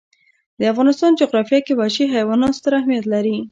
د افغانستان جغرافیه کې وحشي حیوانات ستر اهمیت لري.